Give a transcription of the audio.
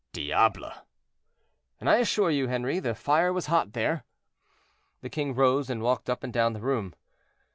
"Diable!" "And I assure you, Henri, the fire was hot there." The king rose and walked up and down the room.